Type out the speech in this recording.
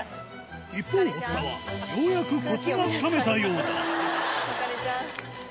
一方堀田はようやくコツがつかめたようだ